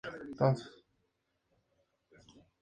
Colabora en la compra y reposición de la lencería del hotel.